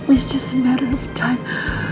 ini cuma sebuah peristiwa